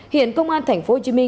hiện công an tp hcm